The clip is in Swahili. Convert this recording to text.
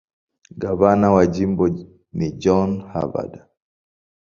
Gavana wa jimbo ni John Harvard.